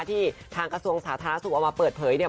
ที่ทางกระทรวงสาธารณสุขเอามาเปิดเผยเนี่ย